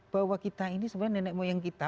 bahwa kita ini sebenarnya nenek moyang kita